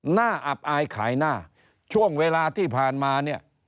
หน้าอับอายขายหน้าช่วงเวลาที่ผ่านมาเนี่ย